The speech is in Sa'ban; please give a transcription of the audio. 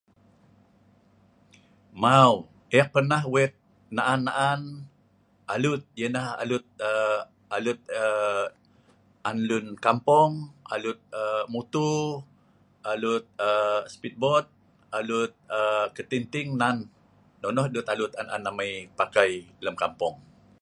Mau ek pernah wet naan-naan alut ianah alut aaa alut aaa an lun kampung, alut aaa mutu, alut aaa spitbod, alut aaa ketinting, nan nonoh dut alut an an amai pakai dong kampung.